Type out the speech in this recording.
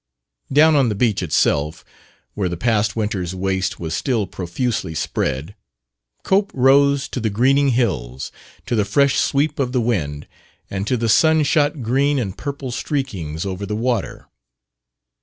Down on the beach itself, where the past winter's waste was still profusely spread, Cope rose to the greening hills, to the fresh sweep of the wind, and to the sun shot green and purple streakings over the water.